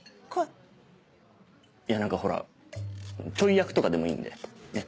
いや何かほらちょい役とかでもいいんでねっ。